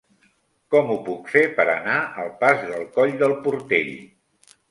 Com ho puc fer per anar al pas del Coll del Portell?